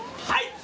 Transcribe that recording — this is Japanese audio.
はい。